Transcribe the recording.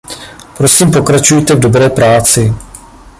Prosím pokračujte v dobré práci.